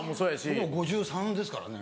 もう５３ですからね。